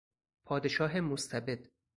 پادشاه مستبد